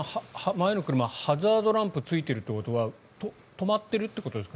前の車ハザードランプがついてるということは止まっているということですか？